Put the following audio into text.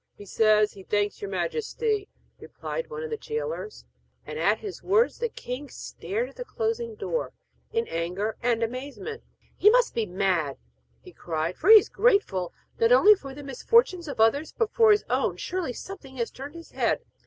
He says, 'he thanks your majesty,' replied one of the gaolers. And at his words, the king stared at the closing door, in anger and amazement. 'He must be mad,' he cried, 'for he is grateful, not only for the misfortunes of others, but for his own; surely something has turned his head!'